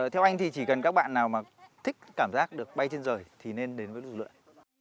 theo anh thì chỉ cần các bạn nào mà thích cảm giác được bay trên rời thì nên đến với lực lượng